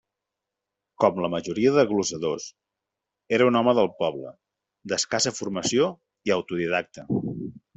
Com la majoria de glosadors, era un home del poble, d'escassa formació i autodidacta.